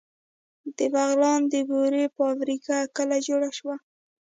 د بغلان د بورې فابریکه کله جوړه شوه؟